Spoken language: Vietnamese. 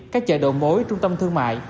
các chợ đồ mối trung tâm thương mại